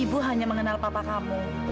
ibu hanya mengenal papa kamu